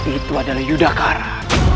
itu adalah yudhakara